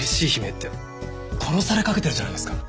殺されかけてるじゃないですか。